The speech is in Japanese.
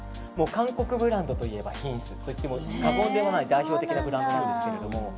韓国ブランドといえばヒンスといっても過言ではない代表的なブランドなんですけど。